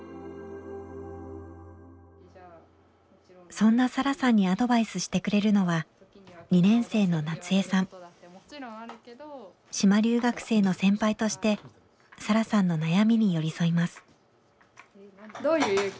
そんなサラさんにアドバイスしてくれるのは島留学生の先輩としてサラさんの悩みに寄り添います。